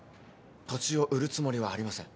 土地を売るつもりはありません。